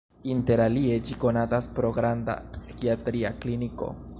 Inter alie ĝi konatas pro granda psikiatria kliniko.